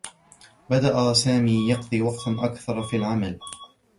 بدأ سامي يقضي وقتا أكثر في العمل.